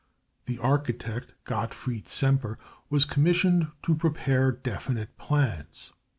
The architect Gottfried Semper was commissioned to prepare definite plans.